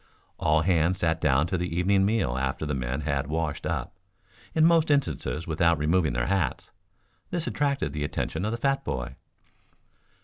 All hands sat down to the evening meal after the men had washed up, in most instances without removing their hats. This attracted the attention of the fat boy.